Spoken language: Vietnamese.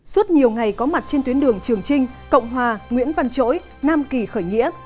suốt nhiều ngày có mặt trên tuyến đường trường trinh cộng hòa nguyễn văn chỗi nam kỳ khởi nghĩa